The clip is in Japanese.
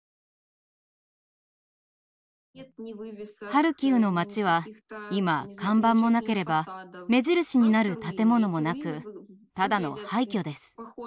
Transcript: ハルキウの町は今看板もなければ目印になる建物もなくただの廃虚です。